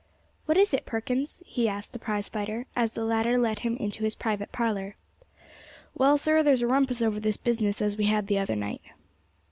"What is it, Perkins?" he asked the prize fighter as the latter let him into his private parlour. "Well sir, there's a rumpus over this business as we had the other night."